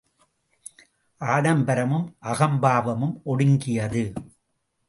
ஆடம்பரமும் அகம்பாவமும் ஒடுங்கியது.